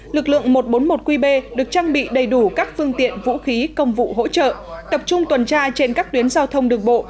lực lượng một trăm bốn mươi một qb được trang bị đầy đủ các phương tiện vũ khí công vụ hỗ trợ tập trung tuần tra trên các tuyến giao thông đường bộ